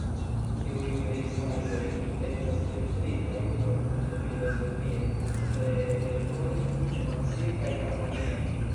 Tiuj pejzaĝoj estas pentritaj profunde filozofie, tre elkore, emocie kaj harmonie.